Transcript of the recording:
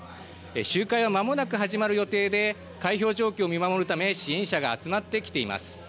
集会は、まもなく始まる予定で開票状況を見守るため支援者が集まってきています。